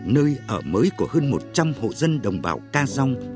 nơi ở mới của hơn một trăm linh hộ dân đồng bào ca dông